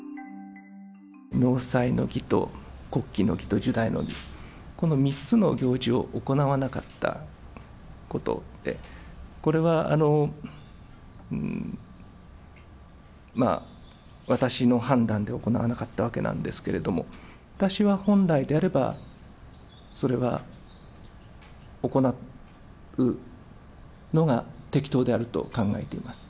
納采の儀と告期の儀と入第の儀、この３つの行事を行わなかったことで、これは、私の判断で行わなかったわけなんですけれども、私は本来であれば、それは行うのが適当であると考えています。